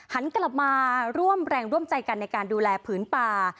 หันกลับมาร่วมแรงร่วมใจกันในการดูแลผืนป่า